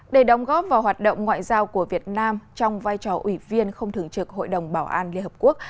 để đóng góp vào hoạt động ngoại giao của việt nam trong vai trò ủy viên không thường trực hội đồng bảo an liên hợp quốc